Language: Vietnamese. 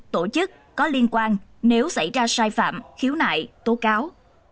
tổ chức có liên quan nếu xảy ra sai phạm khiếu nại tố cáo